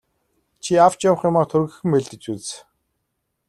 Чи авч явах юмаа түргэхэн бэлдэж үз.